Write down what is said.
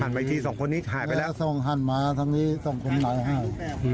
หันไปที่สองคนนี้หายไปแล้วแล้วสองหันมาทางนี้สองคนหลายห้ายอืม